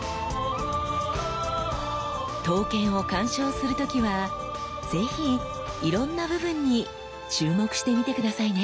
刀剣を鑑賞する時は是非いろんな部分に注目してみて下さいね！